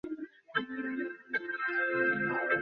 ও serology রিপোর্টগুলি ওলট-পালট করেছিল।